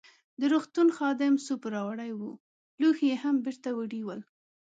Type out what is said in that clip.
د روغتون خادم سوپ راوړی وو، لوښي يې هم بیرته وړي ول.